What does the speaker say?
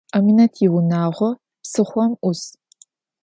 Aminet yiunağo psıxhom 'us.